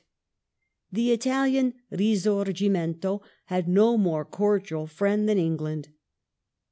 England The Italian risorgimento had no more cordial friend than lur'^^ England.